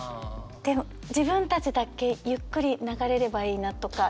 自分たちだけゆっくり流れればいいなとか。